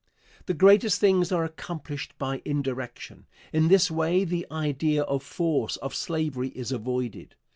The greatest things are accomplished by indirection. In this way the idea of force, of slavery, is avoided.